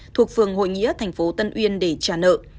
thuộc phường hội nghĩa tp tân uyên để trả nợ